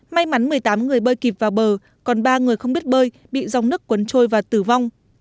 may mắn một mươi tám người bơi kịp vào bờ còn ba người không biết bơi bị dòng nước cuốn trôi và tử vong